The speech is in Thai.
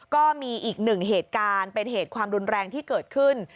ก็มีอีกหนึ่งเหตุการณ์เป็นเหตุความรุนแรงที่เกิดขึ้น